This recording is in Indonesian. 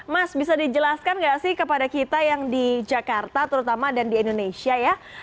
mas bisa dijelaskan nggak sih kepada kita yang di jakarta terutama dan di indonesia ya